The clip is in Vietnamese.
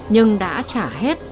nhưng đã trả hết